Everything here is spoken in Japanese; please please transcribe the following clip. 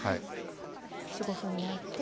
４５分焼いて。